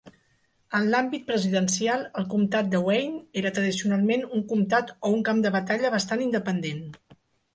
En l'àmbit presidencial, el comtat de Wayne era tradicionalment un comtat o un camp de batalla bastant independent.